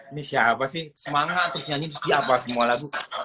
ini siapa sih semangat terus nyanyi terus dia apel semua lagu